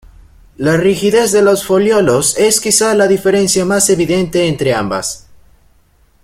La rigidez de los foliolos es quizá la diferencia más evidente entre ambas.